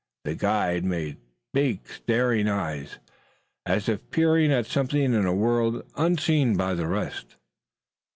The guide made big staring eyes, as if peering at something in a world unseen by the rest.